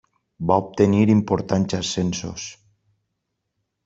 Va obtenir importants ascensos.